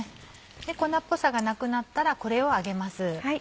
粉っぽさがなくなったらこれを揚げます。